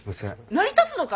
成り立つのか？